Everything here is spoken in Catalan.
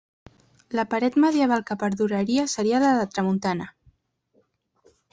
La paret medieval que perduraria seria la de tramuntana.